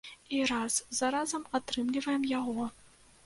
І раз за разам атрымліваем яго.